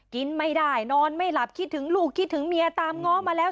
กินไม่ได้นอนไม่หลับคิดถึงลูกคิดถึงเมียตามง้อมาแล้ว